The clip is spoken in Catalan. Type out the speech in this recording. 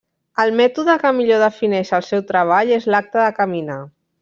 El mètode que millor defineix el seu treball és l'acte de caminar.